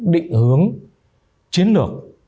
định hướng chiến lược